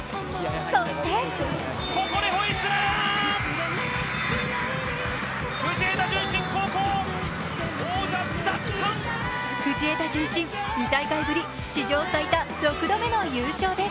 そして藤枝順心、２大会ぶり史上最多６度目の優勝です。